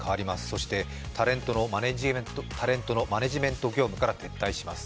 そしてタレントのマネジメント業務から撤退します。